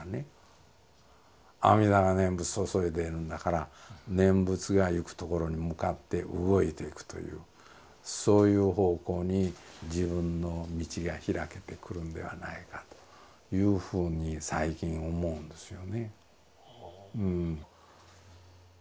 阿弥陀が念仏を注いでいるんだから念仏が行くところに向かって動いていくというそういう方向に自分の道が開けてくるんではないかというふうに最近思うんですよね。